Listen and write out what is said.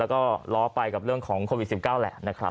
แล้วก็ล้อไปกับเรื่องของโควิด๑๙แหละนะครับ